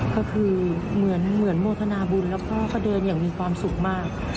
ก็คือเหมือนโมทนาบุญแล้วพ่อก็เดินอย่างมีความสุขมาก